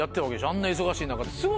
あんな忙しい中。